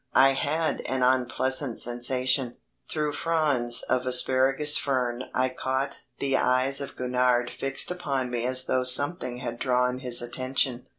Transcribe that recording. I had an unpleasant sensation. Through fronds of asparagus fern I caught the eyes of Gurnard fixed upon me as though something had drawn his attention.